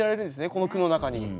この句の中に。